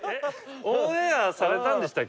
オンエアされたんでしたっけ？